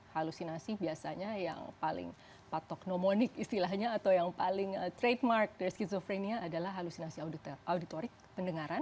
halusinasi biasanya yang paling patoknomonic istilahnya atau yang paling trademark dari skizofrenia adalah halusinasi auditorik pendengaran